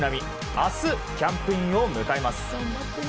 明日、キャンプインを迎えます。